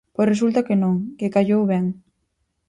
Pois resulta que non, que callou ben.